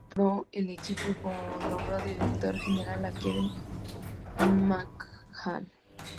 Glen Taylor compró el equipo y nombró director general a Kevin McHale.